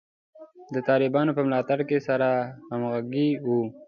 د طالبانو په ملاتړ کې سره همغږي وو.